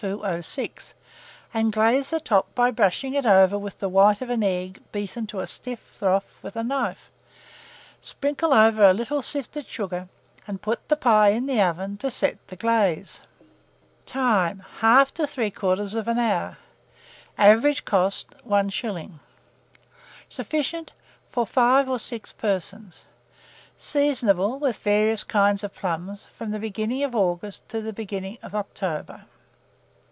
1206, and glaze the top by brushing it over with the white of an egg beaten to a stiff froth with a knife; sprinkle over a little sifted sugar, and put the pie in the oven to set the glaze. Time. 1/2 to 3/4 hour. Average cost, 1s. Sufficient for 5 or 6 persons. Seasonable, with various kinds of plums, from the beginning of August to the beginning of October.